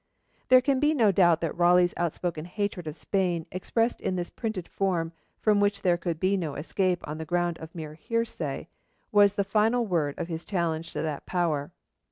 There can be no doubt that Raleigh's outspoken hatred of Spain, expressed in this printed form, from which there could be no escape on the ground of mere hearsay, was the final word of his challenge to that Power.